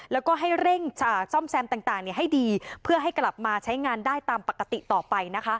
แล้วก็ให้เร่งซ่อมแซมต่างให้ดีเพื่อให้กลับมาใช้งานได้ตามปกติต่อไปนะคะ